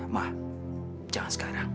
ma jangan sekarang